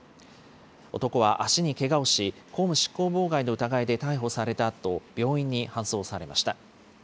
男は足にけがをし、公務執行妨害の疑いで逮捕されたあと、病院に搬送されました。